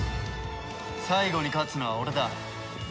最後に勝つのは俺だ。